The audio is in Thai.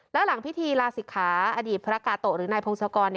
และหลังพิธีลาศิกขาอดีตพระกาโตะหรือนายพงศกร